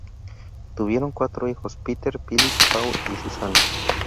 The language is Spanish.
Tuvieron cuatro hijos: Peter, Philip, Paul y Susanna.